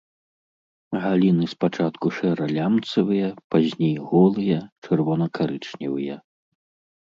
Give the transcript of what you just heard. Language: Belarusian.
Галіны спачатку шэра-лямцавыя, пазней голыя, чырвона-карычневыя.